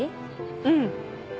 うん。